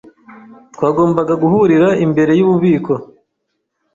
Twagombaga guhurira imbere yububiko.